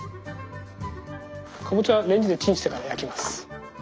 かぼちゃはレンジでチンしてから焼きます。